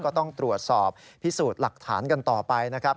ก็ต้องตรวจสอบพิสูจน์หลักฐานกันต่อไปนะครับ